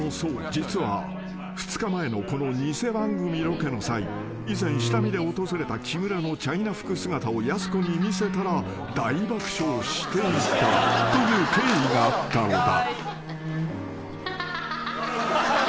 実は２日前のこの偽番組ロケの際以前下見で訪れた木村のチャイナ服姿をやす子に見せたら大爆笑していたという経緯があったのだ］